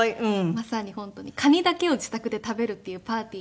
まさに本当にカニだけを自宅で食べるっていうパーティーを。